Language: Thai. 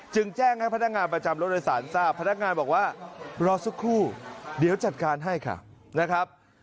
แจ้งให้พนักงานประจำรถโดยสารทราบพนักงานบอกว่ารอสักครู่เดี๋ยวจัดการให้ค่ะนะครับ